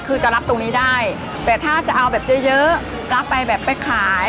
คือจะรับตรงนี้ได้แต่ถ้าจะเอาแบบเยอะเยอะรับไปแบบไปขาย